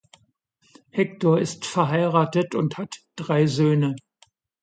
Hector ist verheiratet und hat drei Söhne.